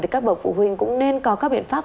các bậc phụ huynh cũng nên có các biện pháp